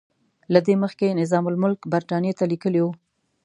له دې مخکې نظام الملک برټانیې ته لیکلي وو.